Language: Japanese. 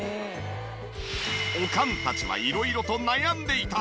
おかんたちは色々と悩んでいた。